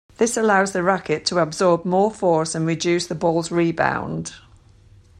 This allows the racquet to absorb more force and reduces the ball's rebound.